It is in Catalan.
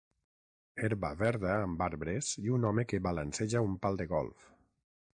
herba verda amb arbres i un home que balanceja un pal de golf.